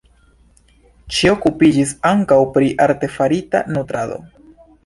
Ŝi okupiĝis ankaŭ pri la artefarita nutrado.